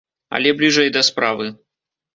Але бліжэй да справы.